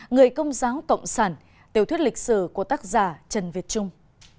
người công giáo cộng sản tiểu thuyết lịch sử của tác giả trần việt trung